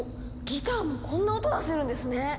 ギターもこんな音出せるんですね！